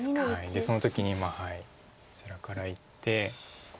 でその時にまあこちらからいって。